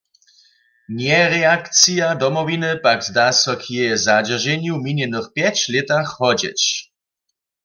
Njereakcija Domowiny pak zda so k jeje zadźerženju w minjenych pjeć lětach hodźeć.